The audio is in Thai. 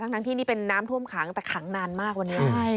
ทั้งที่นี่เป็นน้ำท่วมขังแต่ขังนานมากวันนี้